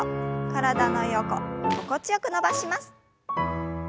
体の横心地よく伸ばします。